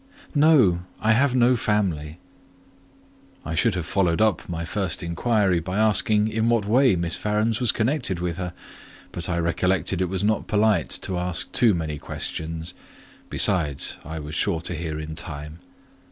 "No,—I have no family." I should have followed up my first inquiry, by asking in what way Miss Varens was connected with her; but I recollected it was not polite to ask too many questions: besides, I was sure to hear in time.